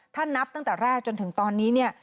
ถ้านับตั้งแต่แรกจนถึงตอนนี้เนี่ย